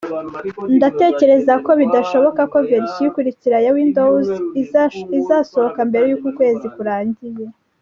ndatekereza ko bidashoboka ko verisiyo ikurikira ya windows izasohoka mbere yuku kwezi kurangiye